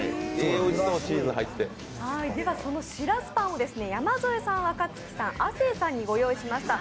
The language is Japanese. そのしらすパンを山添さん、若槻さん亜生さんにご用意しました。